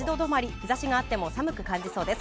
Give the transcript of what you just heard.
日差しがあっても寒く感じそうです。